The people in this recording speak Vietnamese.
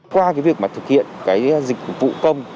qua việc thực hiện dịch vụ công